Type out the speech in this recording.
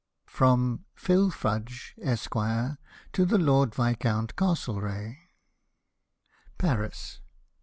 FROM PHIL. FUDGE, ESQ., TO THE LORD VISCOUNT C— ST— R— GH Paris.